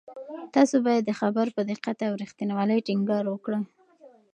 تاسو باید د خبر په دقت او رښتینولۍ ټینګار وکړئ.